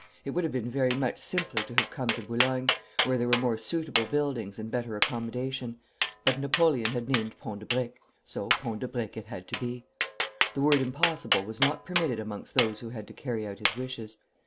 It would have been very much simpler to have come to Boulogne, where there were more suitable buildings and better accommodation, but Napoleon had named Pont de Briques, so Pont de Briques it had to be. The word impossible was not permitted amongst those who had to carry out his wishes.